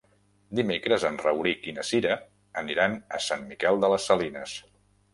Dimecres en Rauric i na Cira aniran a Sant Miquel de les Salines.